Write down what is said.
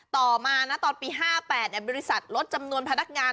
ต่อมานะตอนปี๕๘บริษัทลดจำนวนพนักงาน